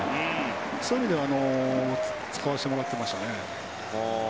そういう意味では使わせてもらっていましたね。